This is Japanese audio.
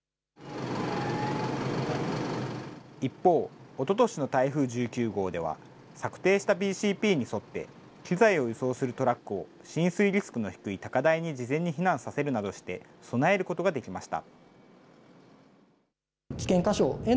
一方、おととしの台風１９号では、策定したＢＣＰに沿って、機材を輸送するトラックを浸水リスクの低い高台に事前に避難させるなどして、備えることができました。